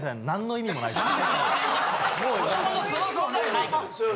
何の意味もない。